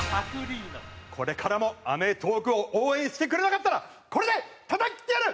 これからも『アメトーーク』を応援してくれなかったらこれでたたき切ってやる！